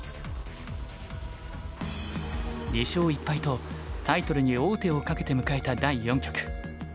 ２勝１敗とタイトルに王手をかけて迎えた第４局。